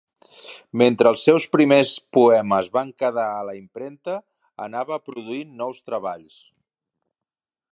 Mentre els seus primers poemes van quedar a la impremta, anava produint nous treballs.